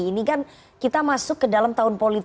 ini kan kita masuk ke dalam tahun politik